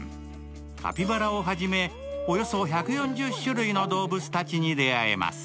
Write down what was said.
カピバラをはじめ、およそ１４０種類の動物たちに出会えます。